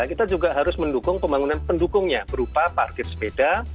kita juga harus mendukung pembangunan pendukungnya berupa parkir sepeda